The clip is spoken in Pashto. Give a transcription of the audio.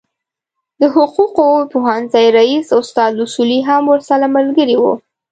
د حقوقو پوهنځي رئیس استاد اصولي هم ورسره ملګری و.